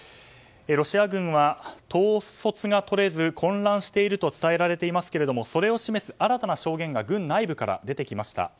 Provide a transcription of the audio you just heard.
ロシア軍は統率がとれず、混乱していると伝えられていますがそれを示す新たな証言が軍内部から出てきました。